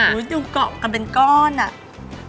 โอ้ยดูเกาะกันเป็นก้อนอะ